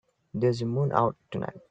There's a moon out tonight.